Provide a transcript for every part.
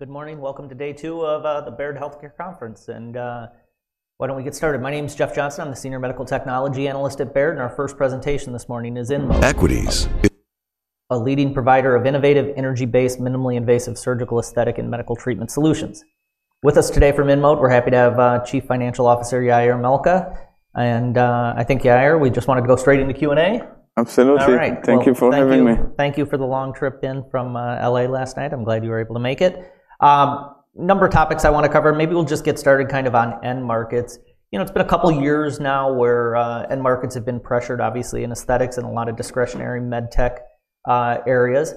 All right, good morning. Welcome to day two of the Baird Healthcare Conference. Why don't we get started? My name is Jeff Johnson. I'm the Senior Medical Technology Analyst at Baird, and our first presentation this morning is InMode, a leading provider of innovative energy-based, minimally invasive surgical aesthetic and medical treatment solutions. With us today from InMode, we're happy to have Chief Financial Officer Yair Malca. I think, Yair, we just want to go straight into Q&A. Absolutely. Thank you for having me. Thank you for the long trip in from LA last night. I'm glad you were able to make it. A number of topics I want to cover. Maybe we'll just get started kind of on end markets. You know, it's been a couple of years now where end markets have been pressured, obviously, in aesthetics and a lot of discretionary medtech areas.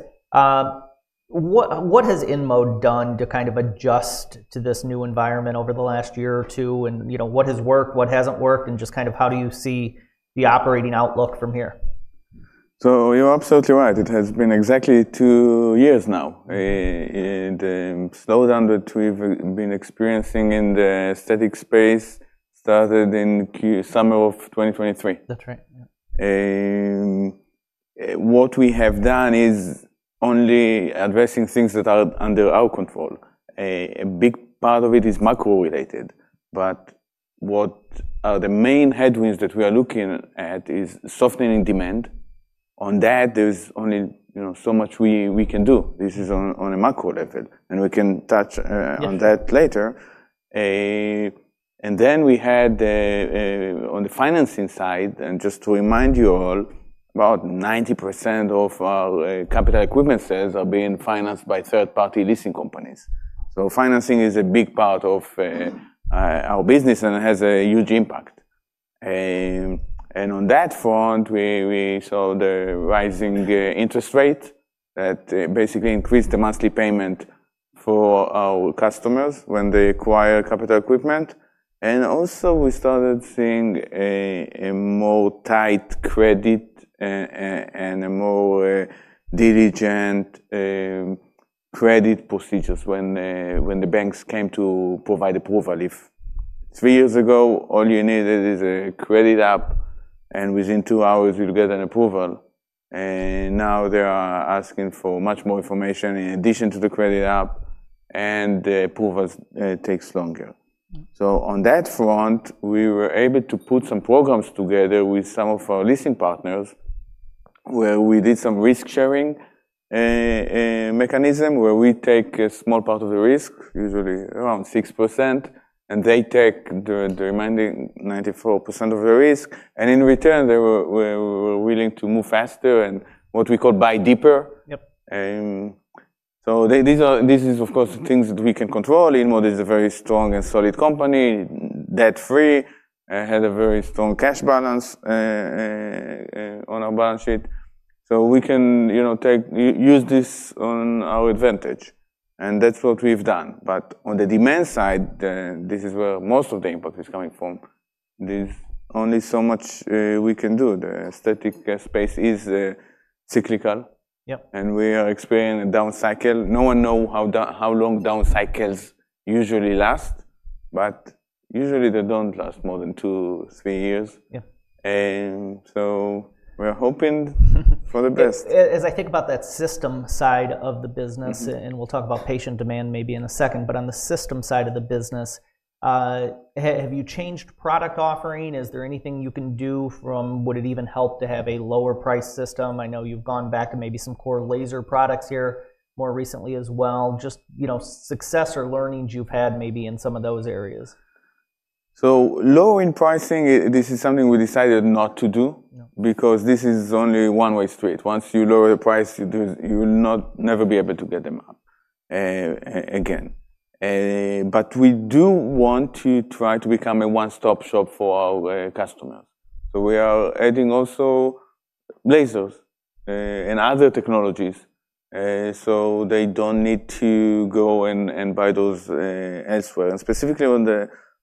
What has InMode done to kind of adjust to this new environment over the last year or two? You know, what has worked, what hasn't worked, and just kind of how do you see the operating outlook from here? You're absolutely right. It has been exactly two years now, and the slowdown that we've been experiencing in the aesthetic space started in the summer of 2023. That's right. What we have done is only addressing things that are under our control. A big part of it is macro-related. What are the main headwinds that we are looking at is softening in demand. On that, there's only so much we can do. This is on a macro level. We can touch on that later. We had on the financing side, and just to remind you all, about 90% of our capital equipment sales are being financed by third-party leasing companies. Financing is a big part of our business and has a huge impact. On that front, we saw the rising interest rate that basically increased the monthly payment for our customers when they acquire capital equipment. We started seeing a more tight credit and a more diligent credit procedures when the banks came to provide approval. If three years ago, all you needed is a credit app, and within two hours, you'll get an approval. Now they are asking for much more information in addition to the credit app, and the approval takes longer. On that front, we were able to put some programs together with some of our leasing partners where we did some risk-sharing mechanism where we take a small part of the risk, usually around 6%, and they take the remaining 94% of the risk. In return, they were willing to move faster and what we call buy deeper. Yep. These are, of course, the things that we can control. InMode Ltd. is a very strong and solid company, debt-free, and has a very strong cash balance on our balance sheet. We can, you know, take use this on our advantage. That's what we've done. On the demand side, this is where most of the impact is coming from. There's only so much we can do. The aesthetic space is cyclical. Yep. We are experiencing a down cycle. No one knows how long down cycles usually last. Usually, they don't last more than two or three years. Yeah. We are hoping for the best. As I think about that system side of the business, and we'll talk about patient demand maybe in a second, on the system side of the business, have you changed product offering? Is there anything you can do from would it even help to have a lower-priced system? I know you've gone back to maybe some core laser products here more recently as well. Just, you know, success or learnings you've had maybe in some of those areas. Lowering pricing, this is something we decided not to do because this is only a one-way street. Once you lower the price, you will never be able to get them up again. We do want to try to become a one-stop shop for our customers. We are adding also lasers and other technologies so they don't need to go and buy those elsewhere. Specifically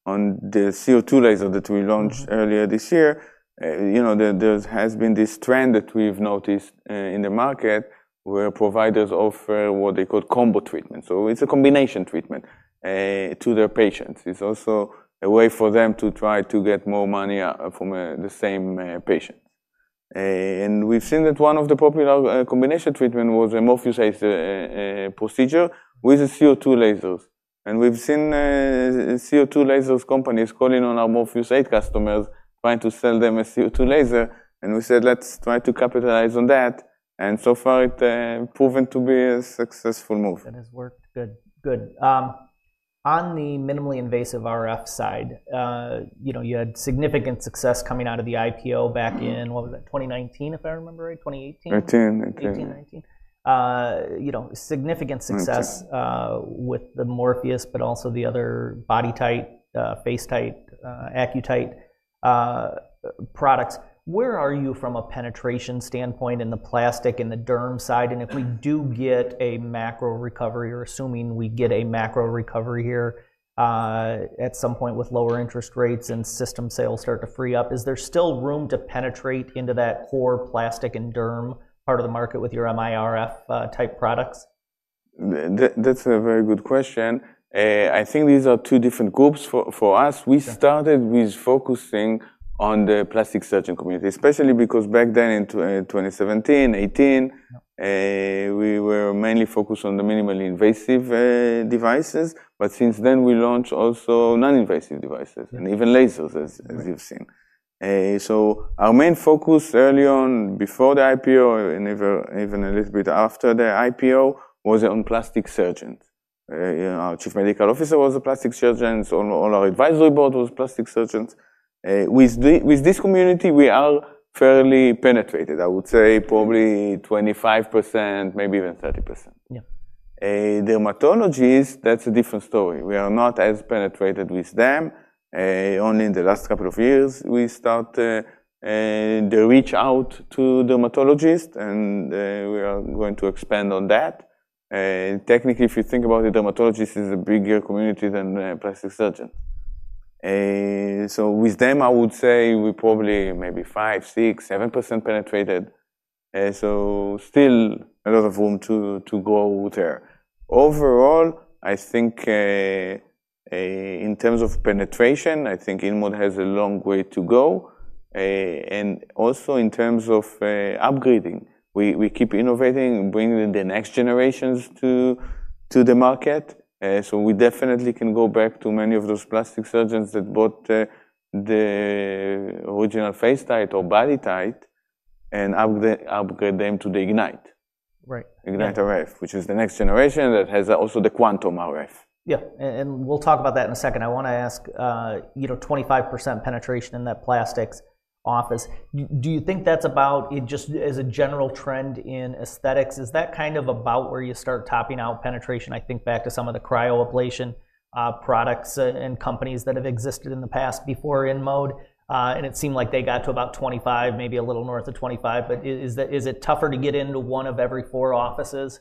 on the CO2 laser that we launched earlier this year, there has been this trend that we've noticed in the market where providers offer what they call combo treatments. It's a combination treatment to their patients. It's also a way for them to try to get more money from the same patient. We've seen that one of the popular combination treatments was a Morpheus8 procedure with CO2 lasers. We've seen CO2 laser companies calling on our Morpheus8 customers, trying to sell them a CO2 laser. We said, let's try to capitalize on that. So far, it's proven to be a successful move. That has worked. Good. On the minimally invasive RF side, you had significant success coming out of the IPO back in, what was that, 2019, if I remember right? 2018? '18, '19. 2018, 2019. You know, significant success with the Morpheus, but also the other BodyTite, FaceTite, AccuTite products. Where are you from a penetration standpoint in the plastic and the derm side? If we do get a macro recovery, or assuming we get a macro recovery here at some point with lower interest rates and system sales start to free up, is there still room to penetrate into that core plastic and derm part of the market with your minimally invasive RF technologies? That's a very good question. I think these are two different groups. For us, we started with focusing on the plastic surgeon community, especially because back then in 2017, 2018, we were mainly focused on the minimally invasive RF technologies. Since then, we launched also non-invasive devices and even lasers, as you've seen. Our main focus early on, before the IPO, and even a little bit after the IPO, was on plastic surgeons. Our Chief Medical Officer was a plastic surgeon. All our advisory board was plastic surgeons. With this community, we are fairly penetrated. I would say probably 25%, maybe even 30%. Yeah. Dermatologists, that's a different story. We are not as penetrated with them. Only in the last couple of years, we started the reach out to dermatologists, and we are going to expand on that. Technically, if you think about it, dermatologists is a bigger community than plastic surgeons. With them, I would say we're probably maybe 5%, 6%, 7% penetrated. Still a lot of room to grow with there. Overall, I think in terms of penetration, I think InMode has a long way to go. Also in terms of upgrading, we keep innovating and bringing the next generations to the market. We definitely can go back to many of those plastic surgeons that bought the original FaceTite or BodyTite and upgrade them to the Ignite. Right. Ignite RF, which is the next generation that has also the Quantum RF. Yeah. We'll talk about that in a second. I want to ask, you know, 25% penetration in that plastics office. Do you think that's about just as a general trend in aesthetics? Is that kind of about where you start topping out penetration? I think back to some of the cryoablation products and companies that have existed in the past before InMode. It seemed like they got to about 25%, maybe a little north of 25%. Is it tougher to get into one of every four offices?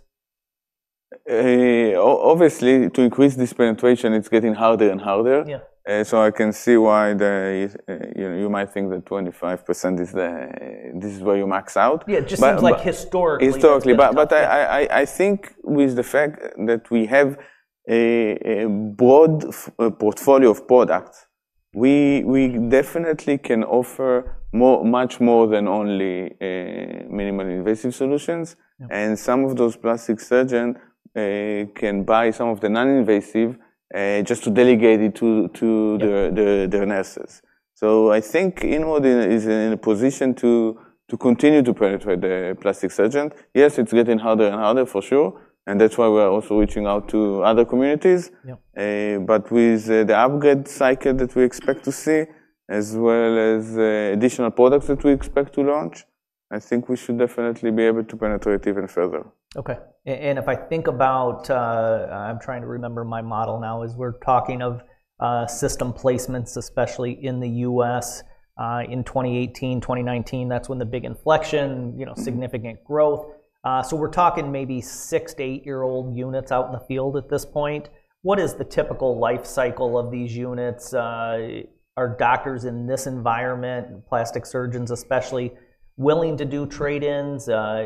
Obviously, to increase this penetration, it's getting harder and harder. Yeah. I can see why you might think that 25% is the, this is where you max out. Yeah, just like historically. Historically, I think with the fact that we have a broad portfolio of products, we definitely can offer much more than only minimally invasive solutions. Some of those plastic surgeons can buy some of the non-invasive just to delegate it to their nurses. I think InMode is in a position to continue to penetrate the plastic surgeon. Yes, it's getting harder and harder for sure. That is why we're also reaching out to other communities. Yeah. With the upgrade cycle that we expect to see, as well as additional products that we expect to launch, I think we should definitely be able to penetrate even further. OK. If I think about, I'm trying to remember my model now as we're talking of system placements, especially in the U.S. in 2018, 2019. That's when the big inflection, you know, significant growth. We're talking maybe six to eight-year-old units out in the field at this point. What is the typical life cycle of these units? Are doctors in this environment, plastic surgeons especially, willing to do trade-ins?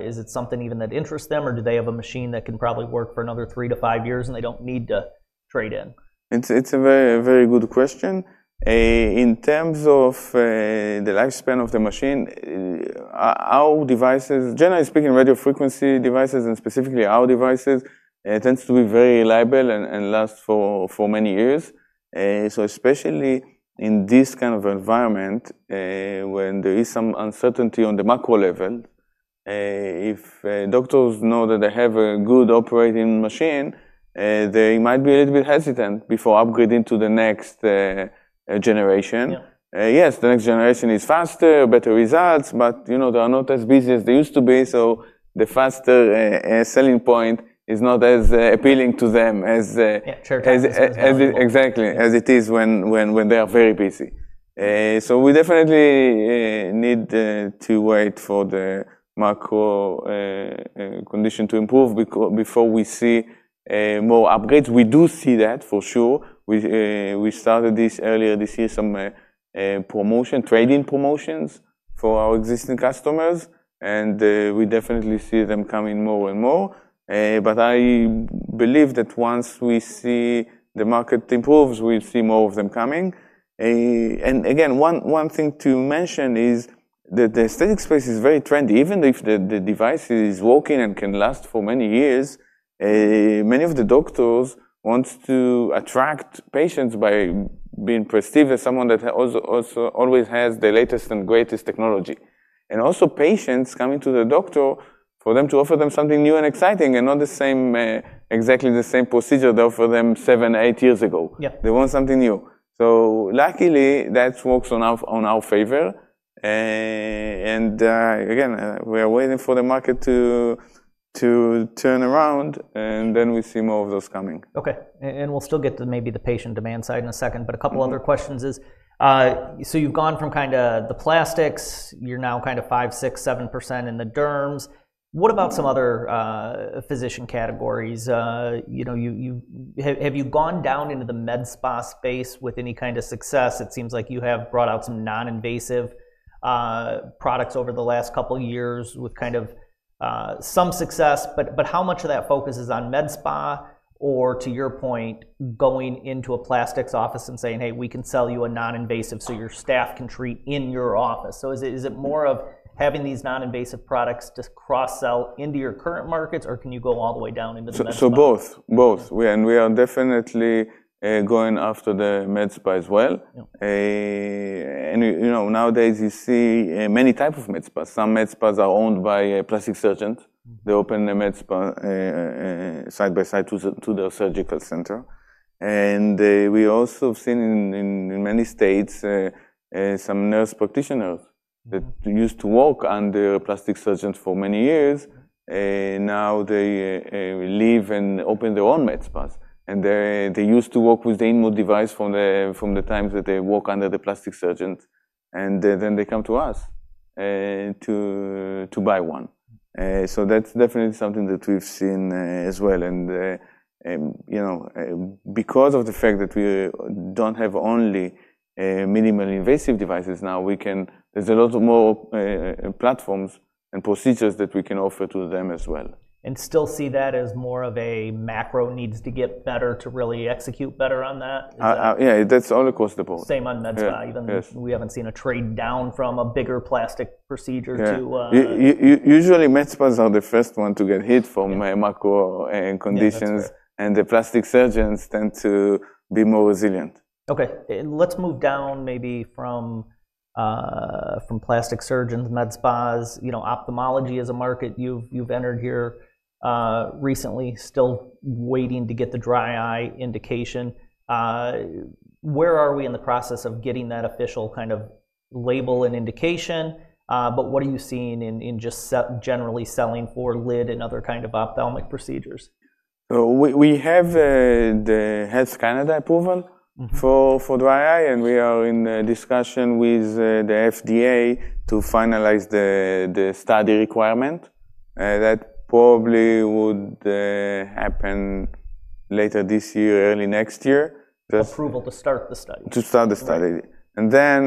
Is it something even that interests them, or do they have a machine that can probably work for another three to five years, and they don't need to trade in? It's a very, very good question. In terms of the lifespan of the machine, our devices, generally speaking, radio frequency devices, and specifically our devices, tend to be very reliable and last for many years. Especially in this kind of environment, when there is some uncertainty on the macro level, if doctors know that they have a good operating machine, they might be a little bit hesitant before upgrading to the next generation. Yeah. Yes, the next generation is faster, better results. You know, they're not as busy as they used to be, so the faster selling point is not as appealing to them as. Sure. Exactly as it is when they are very busy. We definitely need to wait for the macro condition to improve before we see more upgrades. We do see that for sure. We started this earlier this year, some trading promotions for our existing customers. We definitely see them coming more and more. I believe that once we see the market improves, we'll see more of them coming. One thing to mention is that the aesthetic space is very trendy. Even if the device is working and can last for many years, many of the doctors want to attract patients by being perceived as someone that also always has the latest and greatest technology. Also, patients coming to the doctor want them to offer something new and exciting and not exactly the same procedure they offered them seven, eight years ago. Yeah. They want something new. Luckily, that works in our favor. We are waiting for the market to turn around, and then we see more of those coming. OK. We'll still get to maybe the patient demand side in a second. A couple of other questions is, you've gone from kind of the plastics, you're now kind of 5%, 6%, 7% in the derms. What about some other physician categories? You know, have you gone down into the med spa space with any kind of success? It seems like you have brought out some non-invasive products over the last couple of years with kind of some success. How much of that focus is on med spa or, to your point, going into a plastics office and saying, hey, we can sell you a non-invasive so your staff can treat in your office? Is it more of having these non-invasive products just cross-sell into your current markets, or can you go all the way down into the med spa? Both. We are definitely going after the med spa as well. You know, nowadays, you see many types of med spas. Some med spas are owned by a plastic surgeon. They open the med spa side by side to their surgical center. We also have seen in many states some nurse practitioners that used to work under plastic surgeons for many years. Now they leave and open their own med spas. They used to work with the InMode device from the times that they worked under the plastic surgeon, and then they come to us to buy one. That's definitely something that we've seen as well. You know, because of the fact that we don't have only minimally invasive devices now, there's a lot more platforms and procedures that we can offer to them as well. you still see that as more of a macro needs to get better to really execute better on that? Yeah, that's all across the board. Same on med spa, even though we haven't seen a trade down from a bigger plastic procedure to. Usually, med spas are the first ones to get hit from macro conditions, and the plastic surgeons tend to be more resilient. OK. Let's move down maybe from plastic surgeons, med spas. You know, ophthalmology is a market you've entered here recently, still waiting to get the dry eye indication. Where are we in the process of getting that official kind of label and indication? What are you seeing in just generally selling for lid and other kinds of ophthalmic procedures? We have the Health Canada approval for dry eye. We are in discussion with the FDA to finalize the study requirement. That probably would happen later this year, early next year. Approval to start the study. To start the study. That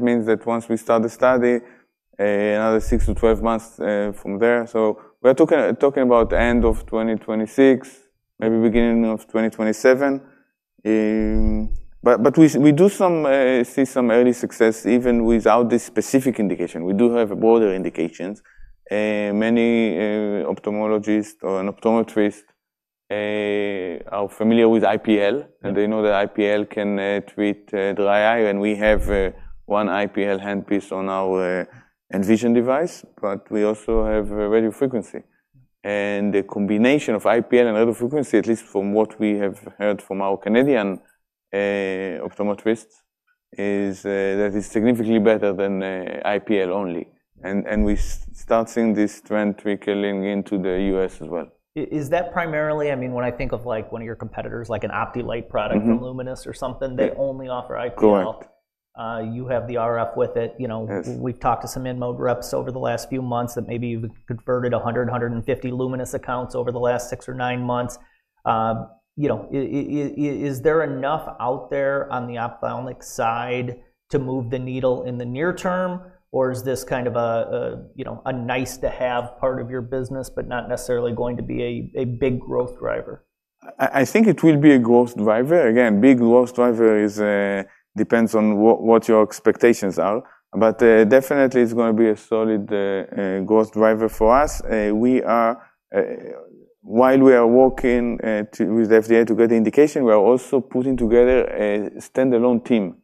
means that once we start the study, another 6 to 12 months from there. We are talking about the end of 2026, maybe beginning of 2027. We do see some early success even without this specific indication. We do have a broader indication. Many ophthalmologists or optometrists are familiar with IPL, and they know that IPL can treat dry eye. We have one IPL handpiece on our Invision device. We also have radio frequency, and the combination of IPL and radio frequency, at least from what we have heard from our Canadian optometrists, is that it's significantly better than IPL only. We start seeing this trend trickling into the U.S. as well. Is that primarily, I mean, when I think of like one of your competitors, like an OptiLite product from Lumenis or something, they only offer IPL. Correct. You have the RF with it. We've talked to some InMode reps over the last few months that maybe you've converted 100, 150 Luminus accounts over the last six or nine months. Is there enough out there on the ophthalmic side to move the needle in the near term, or is this kind of a nice-to-have part of your business but not necessarily going to be a big growth driver? I think it will be a growth driver. Again, a big growth driver depends on what your expectations are. Definitely, it's going to be a solid growth driver for us. While we are working with the FDA to get the indication, we are also putting together a standalone team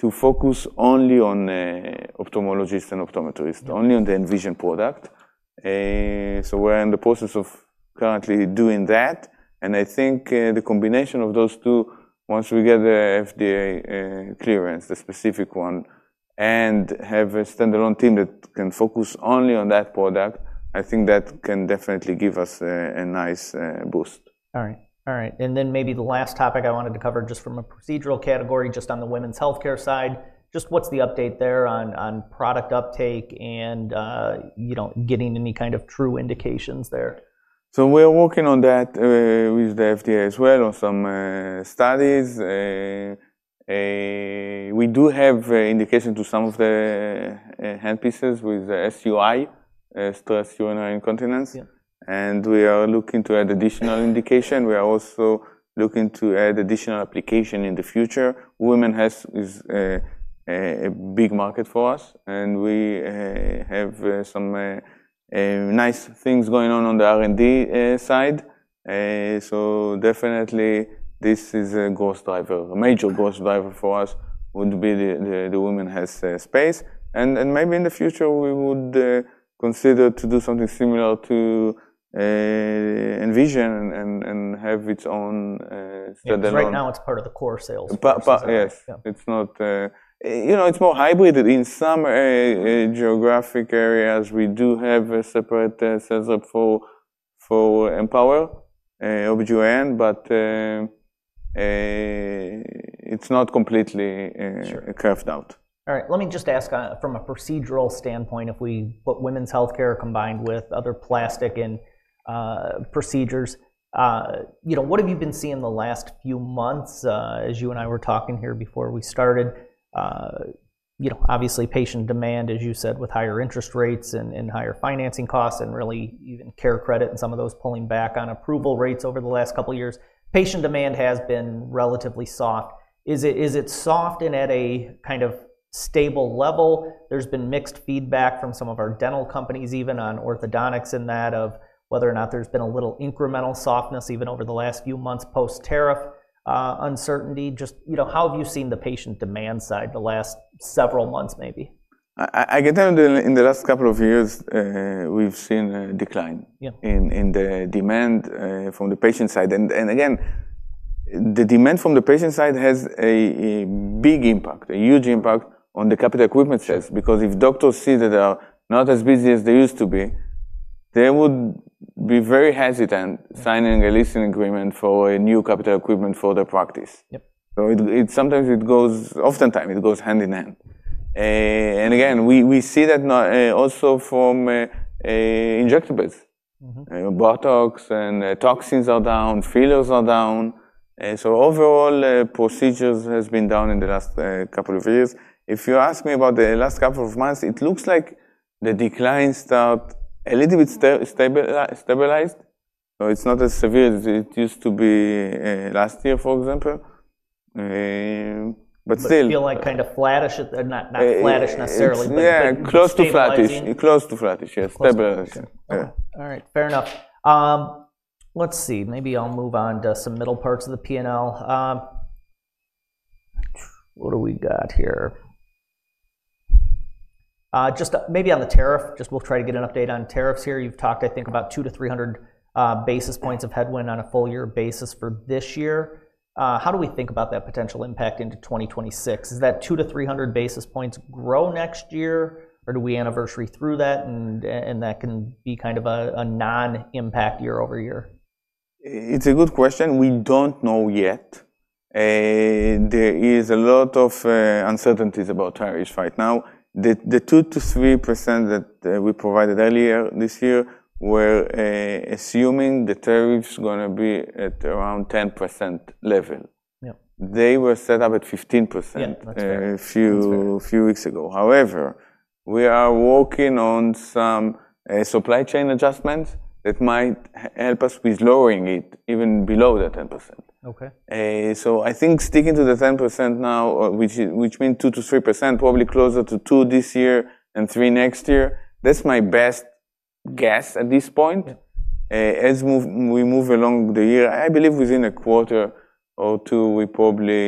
to focus only on ophthalmologists and optometrists, only on the Invision product. We are in the process of currently doing that. I think the combination of those two, once we get the FDA clearance, the specific one, and have a standalone team that can focus only on that product, can definitely give us a nice boost. All right. Maybe the last topic I wanted to cover just from a procedural category, just on the women's health care side, what's the update there on product uptake and, you know, getting any kind of true indications there? We are working on that with the FDA as well on some studies. We do have indication to some of the handpieces with SUI, stress urinary incontinence, and we are looking to add additional indication. We are also looking to add additional application in the future. Women's health is a big market for us, and we have some nice things going on on the R&D side. This is definitely a growth driver. A major growth driver for us would be the women's health space. Maybe in the future, we would consider to do something similar to Invision and have its own standalone. Because right now, it's part of the core sales process. Yes. It's not, you know, it's more hybrid. In some geographic areas, we do have a separate sales rep for Empower OBGYN, but it's not completely carved out. All right. Let me just ask from a procedural standpoint, if we put women's health care combined with other plastic and procedures, what have you been seeing the last few months as you and I were talking here before we started? Obviously, patient demand, as you said, with higher interest rates and higher financing costs and really even CareCredit and some of those pulling back on approval rates over the last couple of years, patient demand has been relatively soft. Is it soft and at a kind of stable level? There's been mixed feedback from some of our dental companies, even on orthodontics and that, of whether or not there's been a little incremental softness even over the last few months post-tariff uncertainty. How have you seen the patient demand side the last several months maybe? I can tell you in the last couple of years, we've seen a decline in the demand from the patient side. The demand from the patient side has a big impact, a huge impact on the capital equipment sales. If doctors see that they are not as busy as they used to be, they would be very hesitant signing a leasing agreement for a new capital equipment for the practice. Yep. It goes hand in hand. We see that also from injectables. Botox and toxins are down. Fillers are down. Overall, procedures have been down in the last couple of years. If you ask me about the last couple of months, it looks like the decline started a little bit stabilized. It's not as severe as it used to be last year, for example. Still. You feel like kind of flattish, not flattish necessarily. Yeah, close to flattish, close to flattish, yeah, stabilized. All right. Fair enough. Let's see. Maybe I'll move on to some middle parts of the P&L. What do we got here? Just maybe on the tariff, just we'll try to get an update on tariffs here. You've talked, I think, about 200 to 300 basis points of headwind on a full-year basis for this year. How do we think about that potential impact into 2026? Does that 200 to 300 basis points grow next year, or do we anniversary through that and that can be kind of a non-impact year over year? It's a good question. We don't know yet. There are a lot of uncertainties about tariffs right now. The 2% to 3% that we provided earlier this year were assuming the tariffs were going to be at around 10% level. Yeah. They were set up at 15% a few weeks ago. However, we are working on some supply chain adjustments that might help us with lowering it even below the 10%. OK. I think sticking to the 10% now, which means 2% to 3%, probably closer to 2% this year and 3% next year, that's my best guess at this point. As we move along the year, I believe within a quarter or two, we probably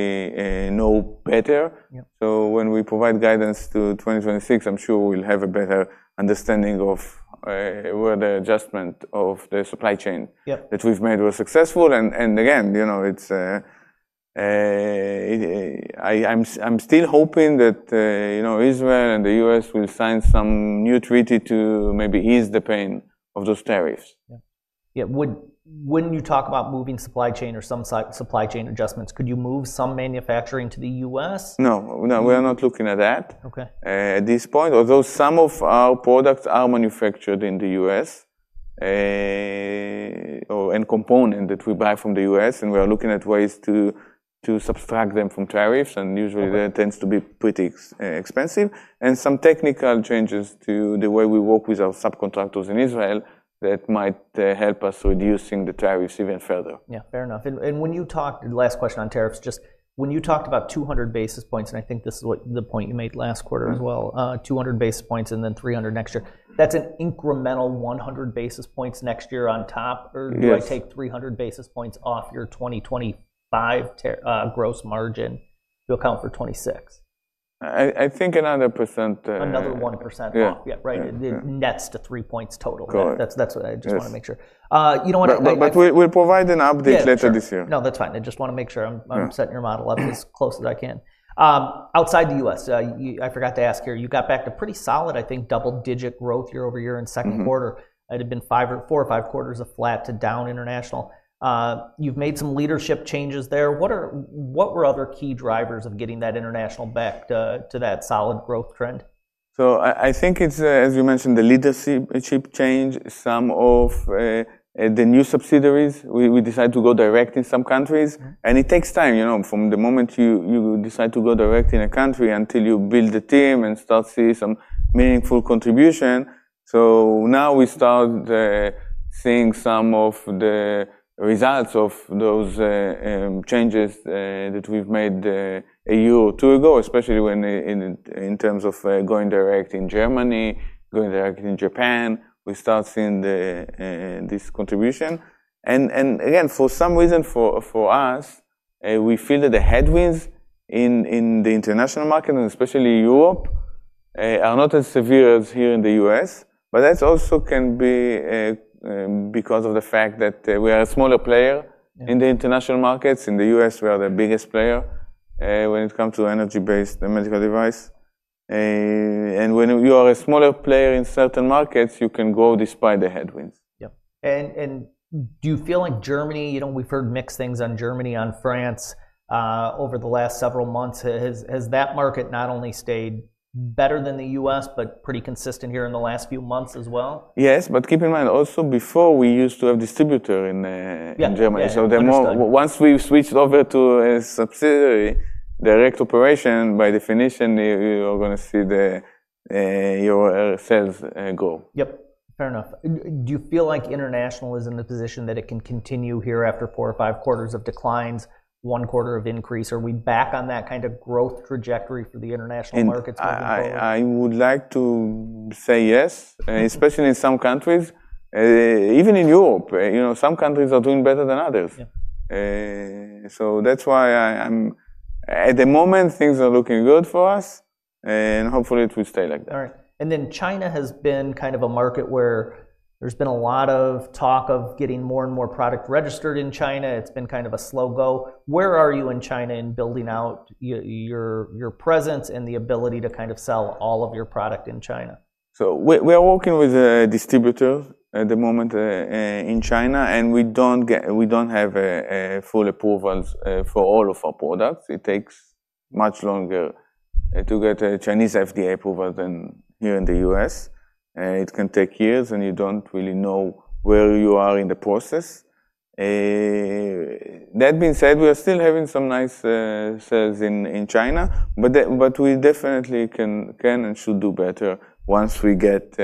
know better. When we provide guidance to 2026, I'm sure we'll have a better understanding of where the adjustment of the supply chain that we've made was successful. Again, I'm still hoping that Israel and the U.S. will sign some new treaty to maybe ease the pain of those tariffs. Yeah. When you talk about moving supply chain or some supply chain adjustments, could you move some manufacturing to the U.S.? No, we are not looking at that. OK. At this point, although some of our products are manufactured in the U.S. or a component that we buy from the U.S., we are looking at ways to subtract them from tariffs. Usually, that tends to be pretty expensive. Some technical changes to the way we work with our subcontractors in Israel might help us reducing the tariffs even further. Yeah, fair enough. When you talked, last question on tariffs, just when you talked about 200 basis points, and I think this is the point you made last quarter as well, 200 basis points and then 300 next year, that's an incremental 100 basis points next year on top? Yes. Do I take 300 basis points off your 2025 gross margin to account for 2026? I think another %. Another 1%. Yeah. Yeah, right. The net's to three points total. Correct. That's what I just want to make sure. You know what? We will provide an update later this year. No, that's fine. I just want to make sure I'm setting your model up as close as I can. Outside the U.S., I forgot to ask here, you got back to pretty solid, I think, double-digit growth year over year in the second quarter. It had been four or five quarters of flat to down international. You've made some leadership changes there. What were other key drivers of getting that international back to that solid growth trend? I think it's, as you mentioned, the leadership change, some of the new subsidiaries. We decided to go direct in some countries. It takes time, you know, from the moment you decide to go direct in a country until you build a team and start seeing some meaningful contribution. Now we start seeing some of the results of those changes that we've made a year or two ago, especially in terms of going direct in Germany, going direct in Japan. We start seeing this contribution. For some reason for us, we feel that the headwinds in the international market, and especially Europe, are not as severe as here in the U.S. That also can be because of the fact that we are a smaller player in the international markets. In the U.S., we are the biggest player when it comes to energy-based medical devices. When you are a smaller player in certain markets, you can grow despite the headwind. Yeah. Do you feel like Germany, you know, we've heard mixed things on Germany, on France over the last several months? Has that market not only stayed better than the U.S., but pretty consistent here in the last few months as well? Yes, but keep in mind also before we used to have a distributor in Germany. Yeah, that's true. Once we switched over to a subsidiary direct operation, by definition, you are going to see your sales grow. Fair enough. Do you feel like international is in the position that it can continue here after four or five quarters of declines, one quarter of increase? Are we back on that kind of growth trajectory for the international markets? I would like to say yes, especially in some countries. Even in Europe, some countries are doing better than others. That's why, at the moment, things are looking good for us. Hopefully, it will stay like that. All right. China has been kind of a market where there's been a lot of talk of getting more and more product registered in China. It's been kind of a slow go. Where are you in China in building out your presence and the ability to kind of sell all of your product in China? We are working with a distributor at the moment in China, and we don't have full approvals for all of our products. It takes much longer to get a Chinese FDA approval than here in the U.S. It can take years, and you don't really know where you are in the process. That being said, we are still having some nice sales in China. We definitely can and should do better once we get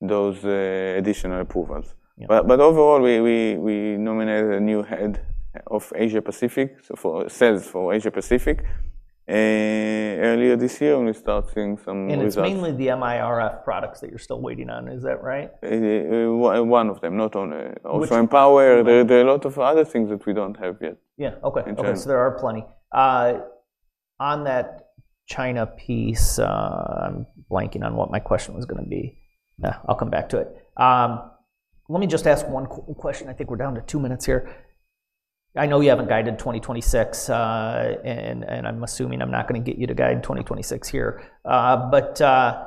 those additional approvals. Overall, we nominated a new Head of Asia Pacific for sales for Asia Pacific earlier this year, and we start seeing some results. the minimally invasive RF technologies products that you're still waiting on, is that right? One of them, not only. OK. Also Empower. There are a lot of other things that we don't have yet. Yeah, OK. In China. OK, there are plenty. On that China piece, I'm blanking on what my question was going to be. I'll come back to it. Let me just ask one question. I think we're down to two minutes here. I know you haven't guided 2026, and I'm assuming I'm not going to get you to guide 2026 here. The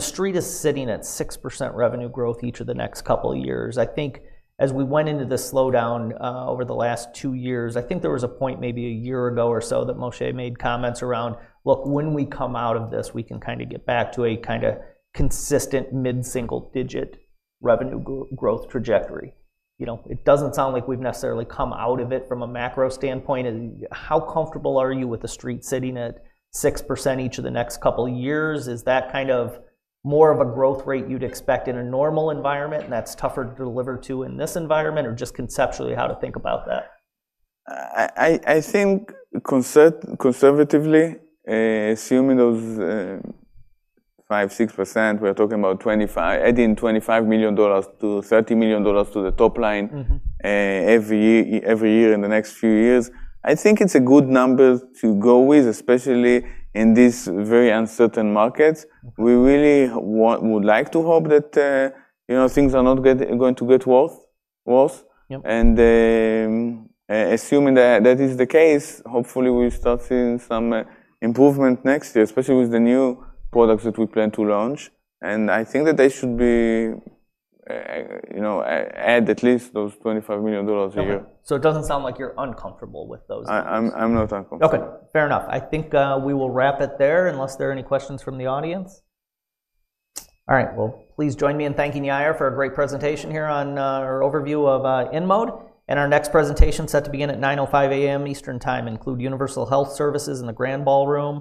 street is sitting at 6% revenue growth each of the next couple of years. I think as we went into the slowdown over the last two years, there was a point maybe a year ago or so that Moshe made comments around, look, when we come out of this, we can kind of get back to a kind of consistent mid-single-digit revenue growth trajectory. It doesn't sound like we've necessarily come out of it from a macro standpoint. How comfortable are you with the street sitting at 6% each of the next couple of years? Is that more of a growth rate you'd expect in a normal environment, and that's tougher to deliver to in this environment, or just conceptually how to think about that? I think conservatively, assuming those 5%, 6%, we are talking about adding $25 million to $30 million to the top line every year in the next few years. I think it's a good number to go with, especially in these very uncertain markets. We really would like to hope that, you know, things are not going to get worse. Assuming that is the case, hopefully, we start seeing some improvement next year, especially with the new products that we plan to launch. I think that they should be, you know, add at least those $25 million a year. It doesn't sound like you're uncomfortable with those. I'm not uncomfortable. OK, fair enough. I think we will wrap it there unless there are any questions from the audience. All right. Please join me in thanking Yair for a great presentation here on our overview of InMode. Our next presentation is set to begin at 9:05 A.M. Eastern Time, include Universal Health Services in the Grand Ballroom,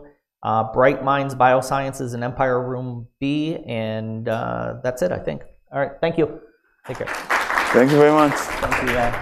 Bright Minds Biosciences in Empire Room B. That's it, I think. All right. Thank you. Take care. Thank you very much. Thank you, Yair.